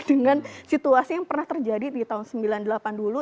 dengan situasi yang pernah terjadi di tahun seribu sembilan ratus sembilan puluh delapan dulu